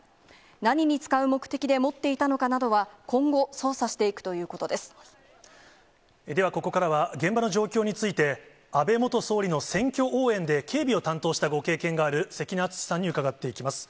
何に使う目的で持っていたのかなどは、今後、では、ここからは、現場の状況について、安倍元総理の選挙応援で警備を担当したご経験がある、関根篤志さんに伺っていきます。